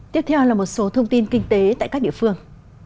tiếp theo là một số thông tin kinh tế tại các địa phương